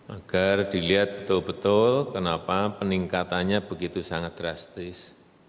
agar dilihat betul betul kenapa peningkatannya begitu sangat drastis